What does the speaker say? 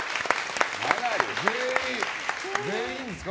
全員ですか？